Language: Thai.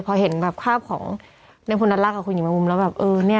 พอเห็นแบบภาพของในพลนัทรักกับคุณหญิงมามุมแล้วแบบเออเนี่ย